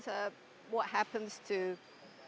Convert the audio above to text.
apa yang terjadi